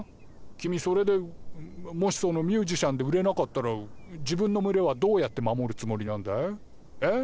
君それでもしそのミュージシャンで売れなかったら自分の群れはどうやって守るつもりなんだい？え？